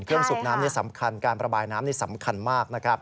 สูบน้ำนี่สำคัญการประบายน้ำนี่สำคัญมากนะครับ